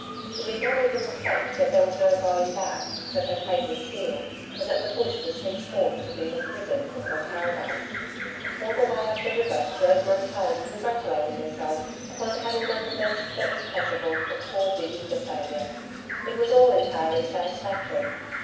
She did not even reflect that there was no going back; that her fate was sealed, and that the Bush was henceforth to be her prison or her paradise. All the way up the river, Rosemary Tallant congratulated herself upon having done the best that was possible for poor Biddy the failure. It was all entirely satisfactory.